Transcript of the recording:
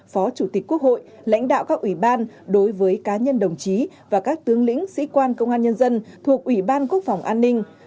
phó chủ tịch quốc hội lãnh đạo các ủy ban đối với cá nhân đồng chí và các tướng lĩnh sĩ quan công an nhân dân thuộc ủy ban quốc phòng an ninh